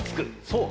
そう。